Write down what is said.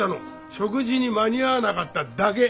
食事に間に合わなかっただけ！